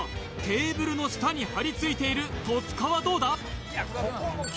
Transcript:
テーブルの下に張り付いている戸塚はどうだ？